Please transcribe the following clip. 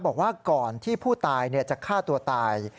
บอกว่าก่อนที่ผู้ตายจะฆ่าตัวตาย